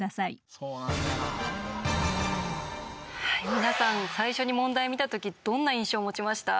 皆さん最初に問題見た時どんな印象を持ちました？